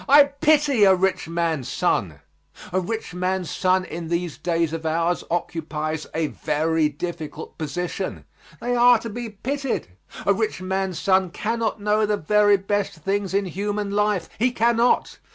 I pity a rich man's son. A rich man's son in these days of ours occupies a very difficult position. They are to be pitied. A rich man's son cannot know the very best things in human life. He cannot.